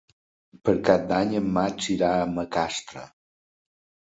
Per Cap d'Any en Max irà a Macastre.